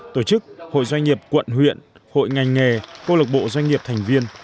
tổ chức hội doanh nghiệp quận huyện hội ngành nghề câu lực bộ doanh nghiệp thành viên